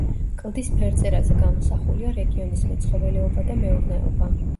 კლდის ფერწერაზე გამოსახულია რეგიონის მეცხოველეობა და მეურნეობა.